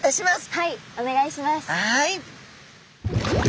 はい！